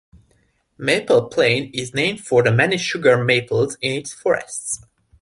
Maple Plain is named for the many sugar maples in its forests.